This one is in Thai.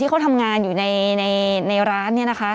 ที่เขาทำงานอยู่ในร้านเนี่ยนะคะ